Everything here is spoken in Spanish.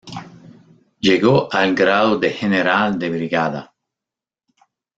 Llegó al grado de general de brigada.